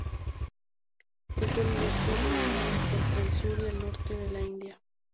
Es el nexo de unión entre el sur y el norte de la India.